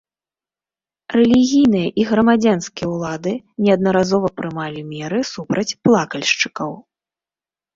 Рэлігійныя і грамадзянскія ўлады неаднаразова прымалі меры супраць плакальшчыкаў.